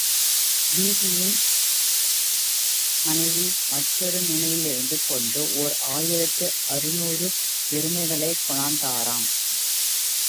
பிதியின் மனைவி, மற்றொரு நுனியிலிருந்துகொண்டு ஓர் ஆயிரத்து அறுநூறு எருமைகளைக் கொணர்ந்தாராம்.